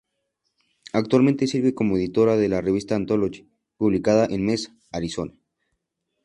Actualmente sirve como editora de la revista Anthology, publicada en Mesa, Arizona.